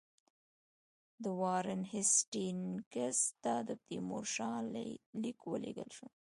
د وارن هېسټینګز ته د تیمورشاه لیک ولېږل شو.